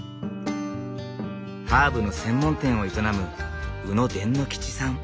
ハーブの専門店を営む鵜野傳之吉さん。